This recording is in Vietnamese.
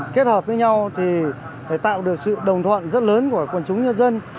kết hợp với nhau thì phải tạo được sự đồng thuận rất lớn của quần chúng nhân dân